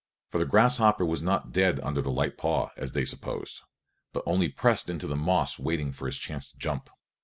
For the grasshopper was not dead under the light paw, as they supposed, but only pressed into the moss waiting for his chance to jump.